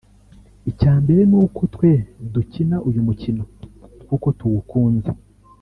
icyambere n’uko twe dukina uyu mukino kuko tuwukunze